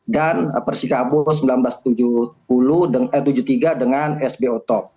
dan persikabo seribu sembilan ratus tujuh puluh tiga dengan sbo talk